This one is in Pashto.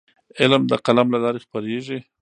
علم د قلم له لارې خپرېږي.